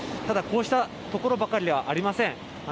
ただ、こうした所ばかりではありません。